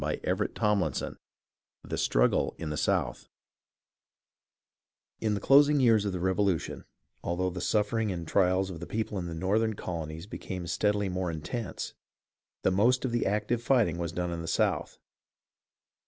'' CHAPTER XXX THE STRUGGLE IN THE SOUTH In the closing years of the Revolution, although the suffering and trials of the people in the Northern colonies became steadily more intense, the most of the active fighting was done in the South.